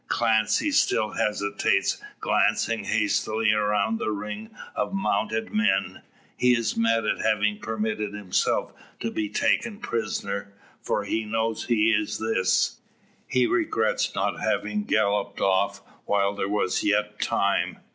Clancy still hesitates, glancing hastily around the ring of mounted men. He is mad at having permitted himself to be taken prisoner, for he knows he is this. He regrets not having galloped off while there was yet time.